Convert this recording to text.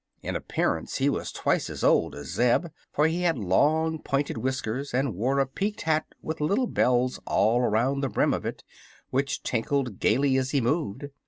In appearance he was twice as old as Zeb, for he had long pointed whiskers and wore a peaked hat with little bells all around the brim of it, which tinkled gaily as he moved.